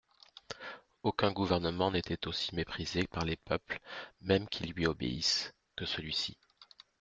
Aucun gouvernement n'était aussi méprisé par les peuples mêmes qui lui obéissent, que celui-ci.